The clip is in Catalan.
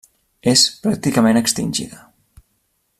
És pràcticament extingida.